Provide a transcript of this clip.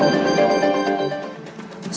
ngoại truyền thông tin